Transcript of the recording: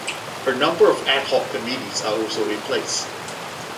A number of ad hoc committees are also in place.